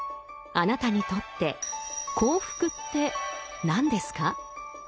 あなたにとって幸福って何ですか？